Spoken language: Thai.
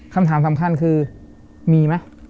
คำถามสำคัญคือมีไหม